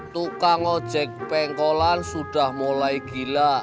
tukang ojek pengkolan sudah mulai gila